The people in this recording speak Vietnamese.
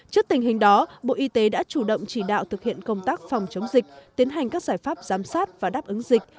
trước tình hình đó bộ y tế đã chủ động chỉ đạo thực hiện công tác phòng chống dịch tiến hành các giải pháp giám sát và đáp ứng dịch